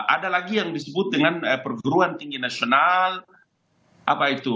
ada lagi yang disebut dengan perguruan tinggi nasional apa itu